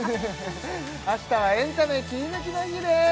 あしたは「エンタメキリヌキ」の日です